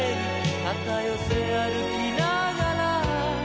「肩寄せ歩きながら」